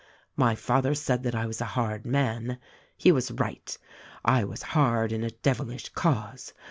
My father said that I was a hard man. He was right. I was hard in a devilish cause.